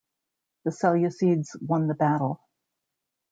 The Seleucids won the battle.